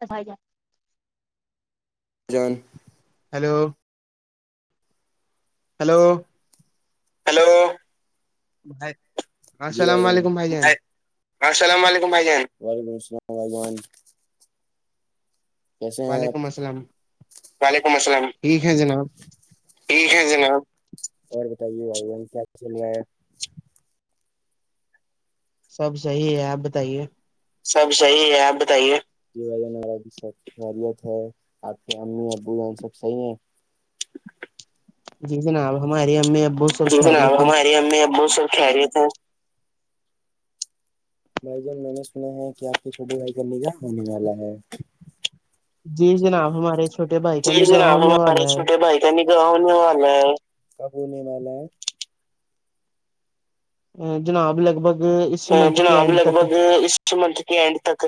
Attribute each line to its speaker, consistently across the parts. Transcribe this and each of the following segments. Speaker 1: توبھائی جاتا
Speaker 2: جان
Speaker 1: hello hello
Speaker 2: hello
Speaker 1: بھائی السلام علیکم بھائی جان
Speaker 2: السلام علیکم بھائی جان ولیکم السلامھائیان کیسے ہیں
Speaker 1: وعلیکم السلام
Speaker 2: آپ وعلیکم السلام
Speaker 1: ٹھیک ہے جناب
Speaker 2: ٹھیک ہے جناب اور بتائیے بھائی ہم کیالنایا
Speaker 1: سب صحیح ہے آپ بتائیے
Speaker 2: سب صحیح ہے آپ بتائیےجنا بھی سب وت ہے آپ کی امی ابو جن سب صحی ہیں
Speaker 1: جی ن ہماراری میں بت
Speaker 2: جی س ن ہماری امی ابو سر خھیلی تھا ہیں بھائی جان میں نے سنا ہے کہ آپ کے چھوٹے بھائی کا نیجا ہونے والا ہے
Speaker 1: جی جناب ہمارے چھوٹے بھائی کا
Speaker 2: جی
Speaker 1: نگاہ
Speaker 2: جنا
Speaker 1: ہونے
Speaker 2: ہمارے
Speaker 1: والا
Speaker 2: چھوٹے بھائی عنی کا ہونے والا ہے کاب ہونے والا ہے
Speaker 1: ا جناب لگ بھگ اس
Speaker 2: ا
Speaker 1: منتھ کے
Speaker 2: جناب
Speaker 1: اینڈ
Speaker 2: لگ
Speaker 1: تک
Speaker 2: بھگ اس م منتھ کے اینڈ تک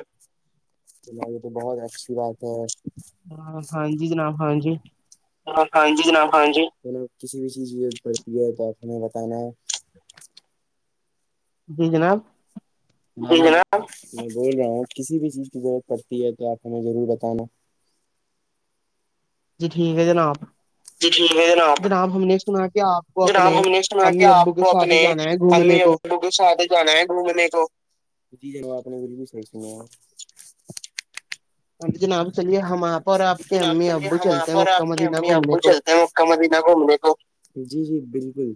Speaker 2: یہ تو بہت اچھی بات ہے
Speaker 1: ہاں جی جناب ہاں جی
Speaker 2: ہاں جی جناب ہاں جی کسی بھی چیز پڑتی ہے تو آپیں بتانا ہے
Speaker 1: جی جناب
Speaker 2: جی ج میں بول رہا ہوں کسی بھی چیز کی ضرورت پڑتی ہے تو آپ ہمیں ضرور بتانا
Speaker 1: جی ٹھیک ہے جناب
Speaker 2: جی ٹھیک ہے
Speaker 1: جناب ہم نے سنا کہ آپ کو اپنے
Speaker 2: جناب ہم نے سنا کہ
Speaker 1: امی ابو کے ساتھ جانا ہے گھومنے کو
Speaker 2: ساد جانا ہے گھومنے کوی ج آپ نے ب بھی صحی سنا ہے
Speaker 1: آٹی جناب چلیے ہم آپ اور آپ کے
Speaker 2: جناب
Speaker 1: امی
Speaker 2: چلیے
Speaker 1: ابو
Speaker 2: ہم آاں
Speaker 1: چلتے
Speaker 2: پ
Speaker 1: ہیں
Speaker 2: اور
Speaker 1: مکہ
Speaker 2: آپ کے
Speaker 1: مدینہ
Speaker 2: امی ابو
Speaker 1: گھومنے کو
Speaker 2: چلتے ہیں وہ ک نہ گھومنے کو جی جی بالکل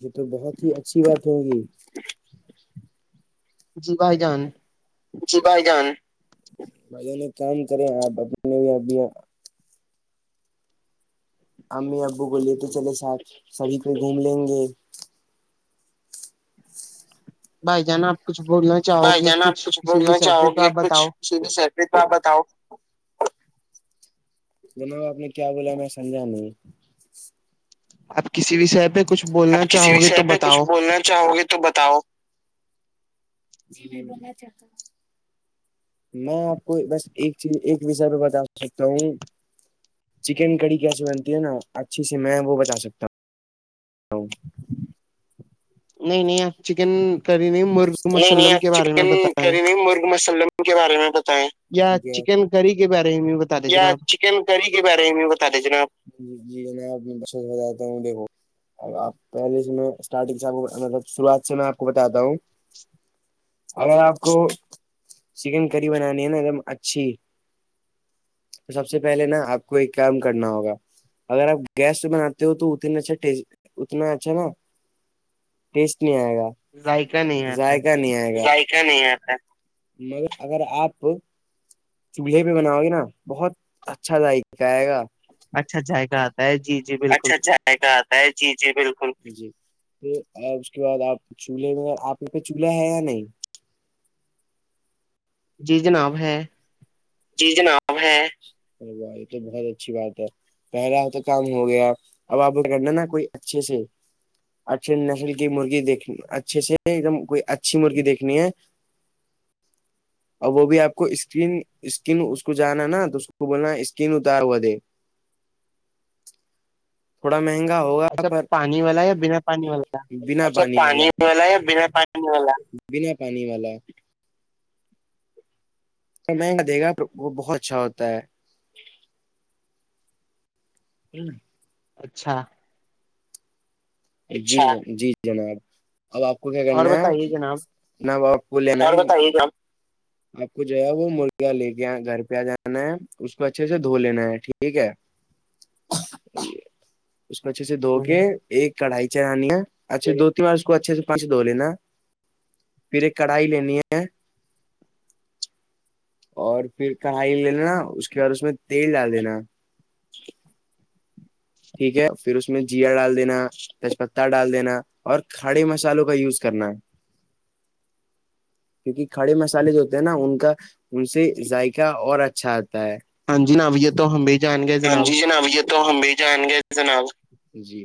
Speaker 2: یہ تو بہت ہی اچھی بات ہوگی
Speaker 1: جی بھائی جان
Speaker 2: [unintelligible] چ بھائی جان بھائی جان ایک کام کرے آپ اپنے بھی ابھی امی ابو بلیے تو چلے ساید سبھی کو گھوم لیں گے
Speaker 1: بھائی جانا آپ کچھ بولنا چاہو
Speaker 2: بھائی
Speaker 1: گے کچھ کسی بھی سر پہ تو آپ بتاؤ
Speaker 2: سی سیکت بتاؤ جناب آپ نے کیا بولانا سمجان نہیں
Speaker 1: آپ کسی وشے پہ کچھ بولنا چاہو گے تو بتاؤ
Speaker 2: سننا چاہو گے تو بتاؤ جی میں بولنا چاہتا ہوں میں آپ کو بس ایک چیز ایک وشے پہ بتا سکتا ہوں چکن کڑی کیسے بنتی ہے نا اچھی سے میں وہ بچا سکتا ہوں [unintelligible]
Speaker 1: نہیں نہیں آپ چکن کری نہیں مرغ
Speaker 2: نہیں
Speaker 1: مسلم
Speaker 2: نہیں
Speaker 1: کے بارے میں
Speaker 2: چکن
Speaker 1: بتائیں
Speaker 2: کری نہیں مرگ مسالے میں ان کے بارے میں بتائیں
Speaker 1: یا
Speaker 2: ٹھیک ہے
Speaker 1: چکن کرری کے بارے میں بتا دے جناب
Speaker 2: کیم کرری کے ب رہے بتا دییے جی ہو جاتا ہ دیکھ آپ پہلے سےارٹگ شروعات سے میں آپ کو بتاتا ہوں
Speaker 1: [inaudible]
Speaker 2: اگر آپ کو چکن کری بنانی ہے نا ایک دم اچھی تو سب سے پہلے نا آپ کو ایک کام کرنا ہوگا اگر آپ گیس پہ بناتے ہو تو اتنا اچھا ٹی اتنا اچھا نا ٹیسٹ نہیں آئے گا
Speaker 1: ذائقہ نہیں آتا ہے
Speaker 2: ذائقہ نہیں آئے گا نہیں مگر اگر آپ چولہے پہ بناؤ گے نا بہت اچھا ذائقہ آئے گا
Speaker 1: اچھا جائےگہ آتا ہے جی جی بالکل
Speaker 2: اچھا اچ جائے گ آتا ہے جی جی بالکل جی پھر اس کے بعد آپ چولہے میںگر آپ کے پہ چولہا ہے یا نہیں
Speaker 1: جی جناب ہے
Speaker 2: جی ہے یہ تو بہت اچھی بات ہے پہلا تو کام ہو گیا اب آپ کرنا نا کوئی اچھے سے اچھے نسل کی مرغی دیک اچھے سے ایک دم کوئی اچھی مرغی دیکھنی ہے اور وہ بھی آپ کو اسکن اسکن اس کو جانا نا تو اس کو بولنا اسکن اتار ہوا دے
Speaker 1: [inaudible]
Speaker 2: تھوڑا مہنگا ہوگا
Speaker 1: اچھا
Speaker 2: پر
Speaker 1: پانی والا یا بنا پانی والا
Speaker 2: انی والا یا بنا پانی والا بنا پانی والا تو میں دے گا وہ بہت اچھا ہوتا ہے ال
Speaker 1: اچھا
Speaker 2: جی جی جناب اب آپ کو کیا
Speaker 1: اور
Speaker 2: کرنا ہے
Speaker 1: بتائیے جناب
Speaker 2: نہ ب پول آپ کو جو ہے وہ مرغیاں لے کے آ گھر پہ آ جانا ہے اس میں اچھے سے دھو لینا ہے ٹھیک ہے
Speaker 1: [inaudible]
Speaker 2: اس کو اچھے سے دھو کے ایک کڑھائی چڑھانی ہے اچھا دو تین بار اس کو اچھے سے پانچ سے دو لینا پھر ایک کڑاہی لیننی ہے اور پھر کڑھائی لینا اس کے بعد اس میں تیل ڈال دینا ٹھیک ہے پھر اس میں اس میں جیا ڈال دینا تیج پہ ڈال دینا اور کھڑے مسالوں کا یوز کرنا ہے
Speaker 1: [inaudible]
Speaker 2: کیونکہ کھڑے مسالے جو ہوتے ہیں نا ان کا ان سے ذائقہ اور اچھا آتا ہے
Speaker 1: ہاں ج ناویے تو ہمی بھی جان گیا
Speaker 2: ہاں
Speaker 1: جناب
Speaker 2: جی یہ تو ہم بھی جان گے جناب جی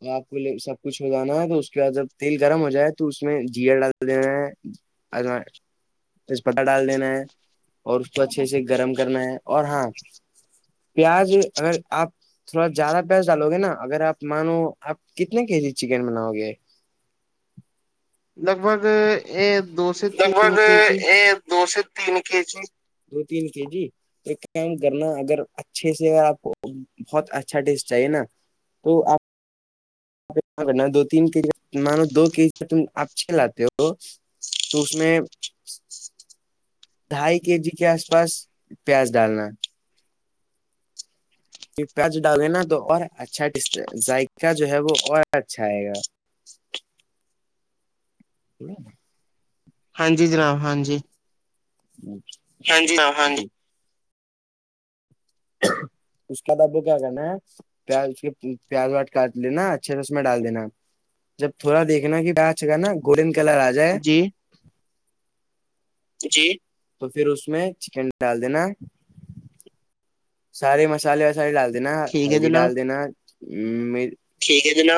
Speaker 2: اور آپ کو سب کچھ ہو جانا ہے تو اس کے بعد جب تیل گرم ہو جائے تو اس میں جیا ڈال دینا ہے ا میں تسپٹہ ڈال دینا ہے اور اس کو اچھے سے گرم کرنا ہے اور ہاں پیاز اگر آپ تھوڑا زیادہ پیاز ڈالو گے نا اگر آپ مانو آپ کتنے کے جی چکن بناؤ گے
Speaker 1: لگ بھگ دو سے
Speaker 2: لگ بھگ
Speaker 1: تین کے جی
Speaker 2: یہ دو سے تین کے جی دو تین کے جی ایک کام کرنا اگر اچھے سے آپ کو بہت اچھا ٹیس چاہیے نا تو آپ کرنا دو تین کے جی مانو دو کے جی سے تم آپ چ لاتے ہو تو اس میں ڈھائی کے جی کے آس پاس پیاز ڈالنا پ جو ڈال گے نا تو اور اچھا ذائقہ جو ہے وہ اور اچھا آئے گا ب نا
Speaker 1: ہاں جی جناب ہاں جی
Speaker 2: ہاں جی ہاں ہاں جی اس کا د بک گا نا پیاز اس کے پیاز واٹ کاٹ لینا اچھے سے اس میں ڈال دینا جب تھوڑا دیکھنا کہ پچ کا نا گولڈن کلر آ جائے
Speaker 1: جی
Speaker 2: جی تو پھر اس میں چکن ڈال دینا سارے مسالے وسالے ڈال دینا
Speaker 1: ٹھیک ہے
Speaker 2: ہلدی
Speaker 1: جناب
Speaker 2: ڈال دینا ہ ٹھیک ہے جنا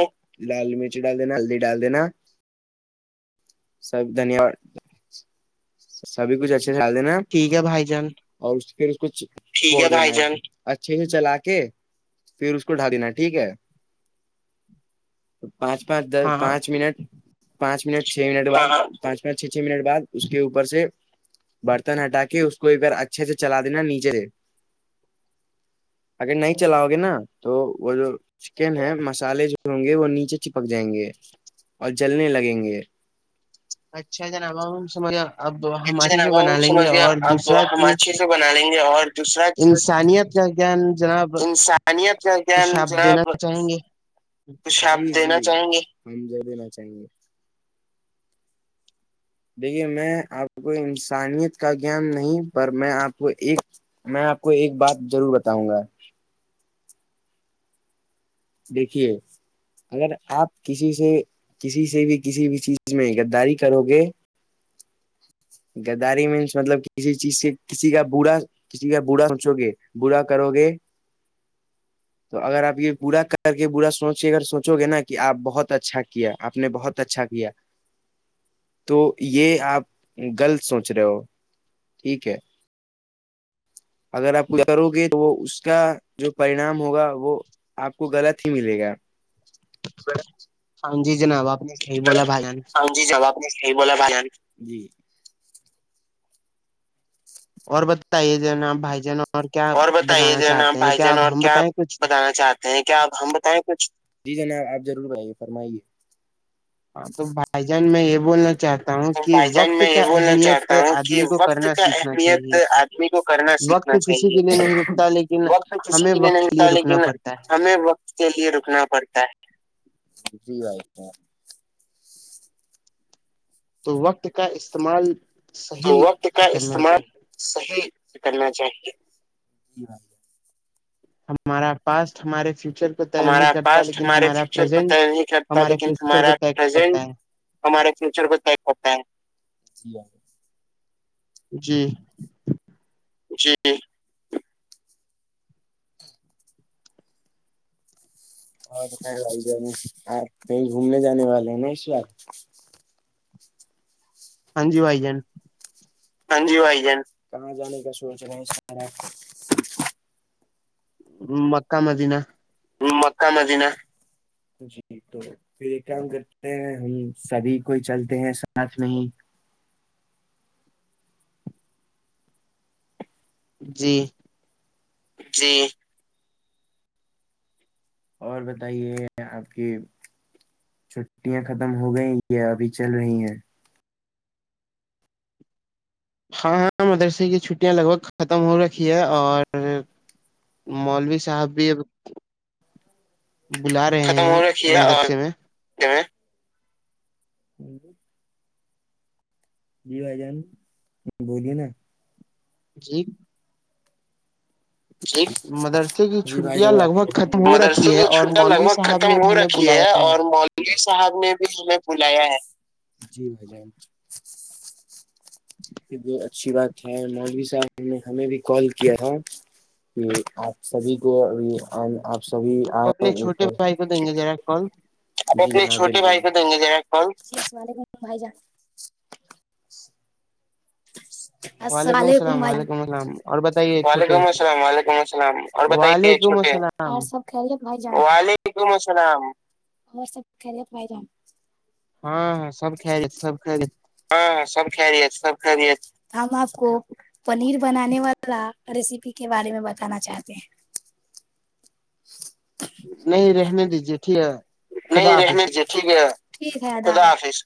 Speaker 2: لال مرچ ڈال دینا ہلدی ڈال دینا سب دھنیہو سبھی کچھ اچھے خھل دینا
Speaker 1: ٹھیک ہے بھائی جان
Speaker 2: اور پھر اس کو اچھے سے چلا کے پھر اس کو ڈھا دینا ٹھیک ہے
Speaker 1: ہ
Speaker 2: پانچ پانچ دس پانچ منٹ پانچ منٹ چھ منٹ بعد پانچ پانچ چھ چھ منٹ بعد اس کے اوپر سے برتن ہٹا کے اس کو ایک بار اچھے سے چلا دینا نیچے سے
Speaker 1: [inaudible]
Speaker 2: اگر نہیں چلاؤ گے نا تو وہ جو چکن ہے مسالے جو ہوں گے وہ نیچے چپک جائیں گے اور جلنے لگیں گے
Speaker 1: اچھا جنابا سمجھ اب ہم
Speaker 2: اچھا
Speaker 1: اھے سے
Speaker 2: جناب
Speaker 1: بنا
Speaker 2: ہم
Speaker 1: لیں گے
Speaker 2: سمجھ گیا
Speaker 1: اور
Speaker 2: اب
Speaker 1: دوسرا
Speaker 2: ہم
Speaker 1: کہ
Speaker 2: اچھے سے بنا لیں گے اور دوسرا کہ
Speaker 1: انسانیت کا گیان جناب
Speaker 2: انسانیت کا
Speaker 1: کچھ
Speaker 2: گان
Speaker 1: آپ دینا
Speaker 2: جناب
Speaker 1: چاہیں گے
Speaker 2: کچھ ہم دینا چاہیں گے ہم دے دینا چاہیں گے دیکھیے میں آپ کو انسانیت کا گان نہیں پر میں آپ کو ایک میں آپ کو ایک بات ضرور بتاؤں گا دیکھیے اگر آپ کسی سے کسی سے بھی کسی بھی چیز میں غداری کرو گے گداری مینس مطلب کسی چیز سے کسی کا برا کسی کا بوڑھا سوچو گے بوڑھا کرو گے تو اگر آپ یہ بوھا کر کر کے برا سوچ اگر سوچو گے نا کہ آپ بہت اچھا کیا آپ نے بہت اچھا کیا تو یہ آپ غلط سوچ رہے ہو ٹھیک ہے اگر آپ کرو گے تو اس کا جو پریناام ہوگا وہ آپ کو غلط ہی ملے گا
Speaker 1: ہاں جی جناب آپ نے صحیح بولا بھائی جان
Speaker 2: س جی جاب میں ص بولا بان جی
Speaker 1: اور بتائیے ج ن آپ بھائی جان اور کیا
Speaker 2: بتائیے
Speaker 1: بتانا
Speaker 2: جناب
Speaker 1: چاہتے ہیں کیا ہم بتائیں کچھ
Speaker 2: نی کیا آپ ہم بتائیں کچھ جی جناب آپ ضرور بتائیے فرمائیے
Speaker 1: ہاں تو بھائی جان میں یہ بولنا چاہتا ہوں
Speaker 2: تو
Speaker 1: کہ
Speaker 2: بھائی جان
Speaker 1: وقت
Speaker 2: میں
Speaker 1: کا
Speaker 2: یہ بولنا
Speaker 1: اہمیت
Speaker 2: چاہتا ہوں کہ
Speaker 1: آدمی کو
Speaker 2: وقت
Speaker 1: کرنا
Speaker 2: کا
Speaker 1: سیکھنا
Speaker 2: اہمیت
Speaker 1: چاہیے
Speaker 2: س کو کرنا
Speaker 1: وقت
Speaker 2: سیکھنا
Speaker 1: کسی
Speaker 2: چاہیے
Speaker 1: کے لیے نہیں رکتا لیکن
Speaker 2: وقت کسی
Speaker 1: ہمیں
Speaker 2: کے لیے
Speaker 1: وقت
Speaker 2: نہیںتا
Speaker 1: رکنا
Speaker 2: لیکن
Speaker 1: پڑتا ہے
Speaker 2: ہمیں وقت کے لیے رکنا پڑتا ہے جی بائی
Speaker 1: تو وقت کا استعمال
Speaker 2: تو
Speaker 1: صحیح
Speaker 2: وقت کا
Speaker 1: سے کرنا چاہیے
Speaker 2: استعمال صحیح کرنا چاہیے
Speaker 1: ہمارا پاسٹ ہمارے فیوچر کو طے نہیں
Speaker 2: ہمارا
Speaker 1: کرتا
Speaker 2: پاسٹ
Speaker 1: لیکن
Speaker 2: ہمارے
Speaker 1: ہمارا
Speaker 2: فیوچر کو طے
Speaker 1: پرزینٹ
Speaker 2: نہیں کرتا
Speaker 1: ہمارے
Speaker 2: لیکن
Speaker 1: فیوچر کو
Speaker 2: ہمارا
Speaker 1: طے
Speaker 2: پرزینٹ
Speaker 1: کرتا ہے
Speaker 2: ہمارے فیوچر کو چیک کرتا ہے
Speaker 1: جی
Speaker 2: جی ہاں تو کہیں ل ج نہیں آپ کہیں گھومنے جانے والے ہیں نا اس وار
Speaker 1: ہاں جی بھائی جان
Speaker 2: ہاں جی بھائی جان کہاں جانے کا سوچ رہے ہیںارپ
Speaker 1: مکا مدین
Speaker 2: ہ مک مدین جی تو پھر ایک کام کرتے ہیں ہم سبھی کو ہی چلتے ہیں ساتھ میں ہی
Speaker 1: جی
Speaker 2: جی اور بتائیے آپ کی چھٹیاں ختم ہو گئی یہ ابھی چل رہی ہیں
Speaker 1: ہاں ہاں مدرسے کی چھٹیاں لگ بھگ ختم ہو رکھی ہے اور مولوی صاحب بھی اب بلا رہے ہیں مدرسے میں
Speaker 2: جیں ہوں جی بھائی جان بولیے نا
Speaker 1: جی
Speaker 2: یک
Speaker 1: مدرسے کی
Speaker 2: جی بھائی
Speaker 1: چھٹیاں
Speaker 2: جان
Speaker 1: لگ بھگ ختم
Speaker 2: آ
Speaker 1: ہو
Speaker 2: مدرسے
Speaker 1: رکھی ہے
Speaker 2: کی
Speaker 1: اور
Speaker 2: چھٹ لگ
Speaker 1: مولوی
Speaker 2: بھگ
Speaker 1: صاحب
Speaker 2: ختم
Speaker 1: نے بھی
Speaker 2: ہو
Speaker 1: ہمیں
Speaker 2: رکھی
Speaker 1: بلایا
Speaker 2: ہے اور م م صاحب نے بھی ہمیں بلایا ہے جی بھ جان یہ ب اچھی بات ہے مولوی صاحب نے ہمیں بھی کال کیا تھا کہ آپ سبھی کو ا آپ سبھی آ
Speaker 1: آپ اپنے چھوٹے بھائی کو دیں گے جذرا کال
Speaker 2: اپ اپنے ایک چھٹے بھائی کو دیں گے جا کال بھائی جا
Speaker 1: وعلیکم السلام وعلیکم السلام اور بتائیے چھوٹے
Speaker 2: وعلیکم
Speaker 1: ہیں
Speaker 2: السلام وعلیکم السلام اور بتائیے
Speaker 1: وعلیکم
Speaker 2: چھوٹے
Speaker 1: السلام
Speaker 2: اور
Speaker 1: ہم
Speaker 2: سب خیریت بھائی جان وعلیکم السلام اور سب خیریت بھائی جان
Speaker 1: ہاں ہاں سب کائے ج سب کائے
Speaker 2: ہاں سب خرییت سب خرییت کام آپ کو پنیر بنانے والا ریسیپی کے بارے میں بتانا چاہتے ہیں
Speaker 1: نہیں رہنے دیجے ٹھیک ہے خدا
Speaker 2: نہیں
Speaker 1: حافظ
Speaker 2: رحمت جی ٹھیک ہے خدلہ حافظ